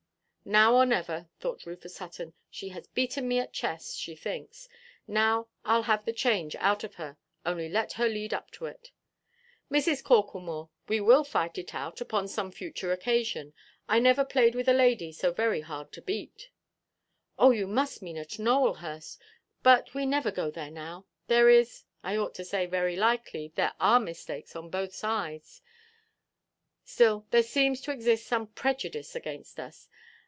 "Now or never," thought Rufus Hutton; "she has beaten me at chess, she thinks. Now, Iʼll have the change out of her. Only let her lead up to it." "Mrs. Corklemore, we will fight it out, upon some future occasion. I never played with a lady so very hard to beat." "Ah, you mean at Nowelhurst. But we never go there now. There is—I ought to say, very likely, there are mistakes on both sides—still there seems to exist some prejudice against us.